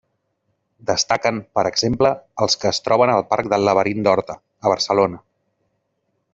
Destaquen, per exemple, els que es troben al Parc del Laberint d'Horta, a Barcelona.